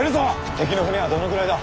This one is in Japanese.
敵の舟はどのぐらいだ。